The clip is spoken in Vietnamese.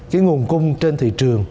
cái nguồn cung trên thị trường